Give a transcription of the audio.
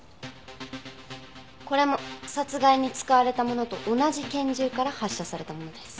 これも殺害に使われたものと同じ拳銃から発射されたものです。